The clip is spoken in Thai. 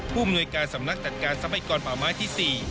ผู้อำนวยการสำนักจัดการทรัพยากรป่าไม้ที่๔